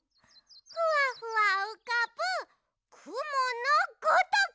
ふわふわうかぶくものごとく！